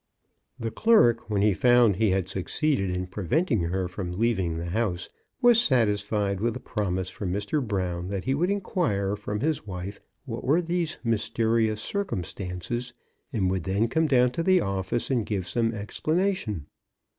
The clerk, when he found he had succeeded in preventing her from leaving the house, was satisfied with a promise from Mr. Brown that he would inquire from his wife what were these mysterious circumstances, and would then come down to the office and 52 CHRISTMAS AT THOMPSON HALL. give some explanation.